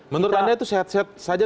menurut anda itu sehat sehat saja